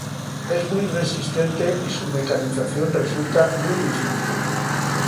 Es muy resistente y su mecanización resulta muy difícil.